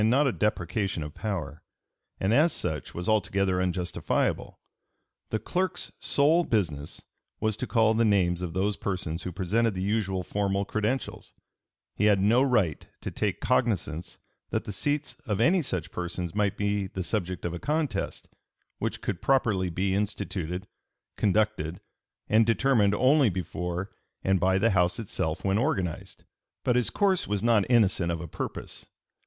291) not a deprecation of power, and as such was altogether unjustifiable. The clerk's sole business was to call the names of those persons who presented the usual formal credentials; he had no right to take cognizance that the seats of any such persons might be the subject of a contest, which could properly be instituted, conducted, and determined only before and by the House itself when organized. But his course was not innocent of a purpose.